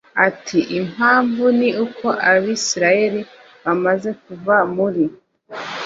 ati impamvu ni uko abisirayeli bamaze kuva muri